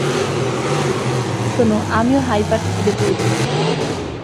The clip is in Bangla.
শোনো, আমিও হাইপার-স্পীডে পৌঁছেছি।